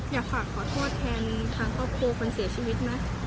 อยากขอขอโทษแทนทางครอบครูคนเสียชีวิตนะ